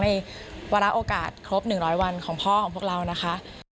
วาระโอกาสครบ๑๐๐วันของพ่อของพวกเรานะคะ